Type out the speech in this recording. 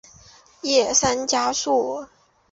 叶山嘉树。